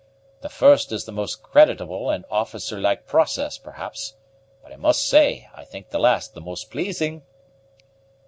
The first is the most creditable and officer like process, perhaps; but I must say I think the last the most pleasing."